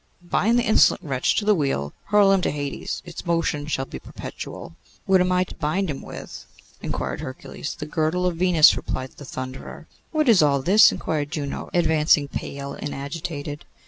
'Bind the insolent wretch to the wheel; hurl him to Hades; its motion shall be perpetual.' 'What am I to bind him with?' inquired Hercules. 'The girdle of Venus,' replied the Thunderer. 'What is all this?' inquired Juno, advancing, pale and agitated.